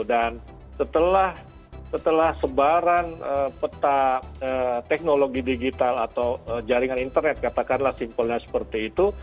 dan setelah sebaran peta teknologi digital atau jaringan internet katakanlah simpelnya seperti itu